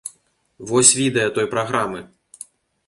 Вось відэа той праграмы.